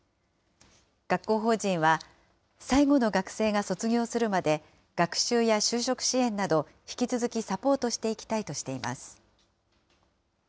学校法人は、最後の学生が卒業するまで、学習や就職支援など、引き続きサポートしていきたいとしています。